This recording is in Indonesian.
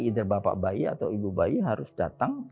either bapak bayi atau ibu bayi harus datang